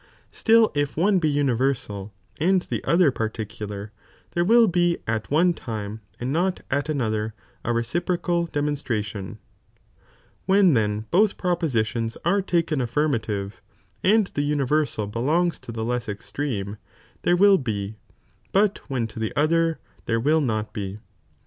Still if one be universal and the other lionVhcn t^ particular, there will be at one time and not at "1^5 ''^"l" another (a reciprocal deraonatralion) ; when then nuiot puiicu bolh propositions are taken aflirmalive, and the '"■ oniveraal belongs to the leas extreme, there will bo, but when lotbeother,*there willnot be.